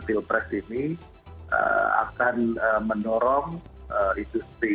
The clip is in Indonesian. pilpres ini akan menurunkan industri ini